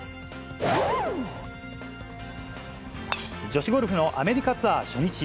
女子ゴルフのアメリカツアー初日。